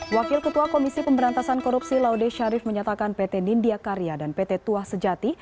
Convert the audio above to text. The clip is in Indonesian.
wakil ketua komisi pemberantasan korupsi laude sharif menyatakan pt nindya karya dan pt tuah sejati